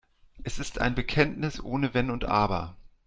Es ist ein Bekenntnis ohne Wenn und Aber.